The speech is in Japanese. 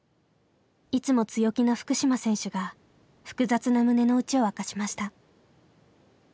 いつも強気な福島選手が複雑な胸の内を明かしました。